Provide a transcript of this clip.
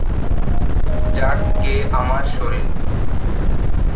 যাক গে আমার শরীর।